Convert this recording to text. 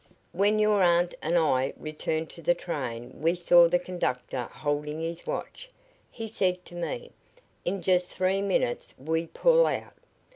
"When your aunt and I returned to the train we saw the conductor holding his watch. He said to me: 'In just three minutes we pull out.